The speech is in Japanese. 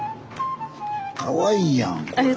かわいいやんこれ。